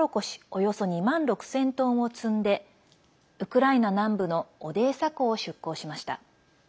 およそ２万６０００トンを積んでウクライナ南部のオデーサ港を出港しました。